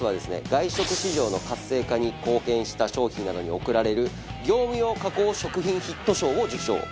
外食市場の活性化に貢献した商品などに贈られる業務用加工食品ヒット賞を受賞。